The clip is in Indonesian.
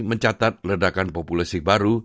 mencatat ledakan populasi baru